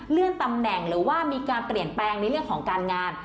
ตำแหน่งหรือว่ามีการเปลี่ยนแปลงในเรื่องของการงาน